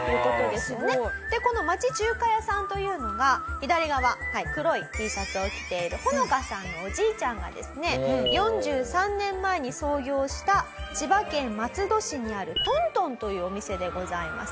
でこの町中華さんというのが左側黒いＴシャツを着ているホノカさんのおじいちゃんがですね４３年前に創業した千葉県松戸市にある東東というお店でございます。